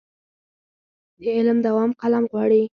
د علم دوام قلم غواړي.